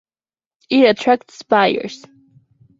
It attracts buyers.